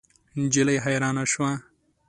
نجلۍ حیرانه شوه.